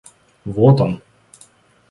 Вот он!